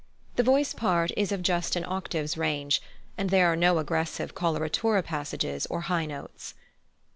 The voice part is of just an octave's range, and there are no aggressive coloratura passages or high notes.